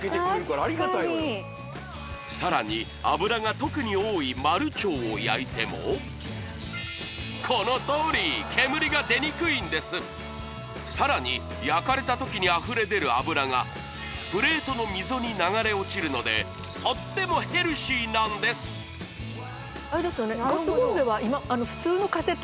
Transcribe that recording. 確かにさらに脂が特に多いマルチョウを焼いてもこのとおり煙が出にくいんですさらに焼かれた時にあふれ出る脂がプレートの溝に流れ落ちるのでとってもヘルシーなんですあれですよね